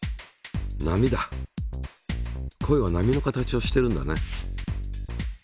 声は波の形をしてるんだね。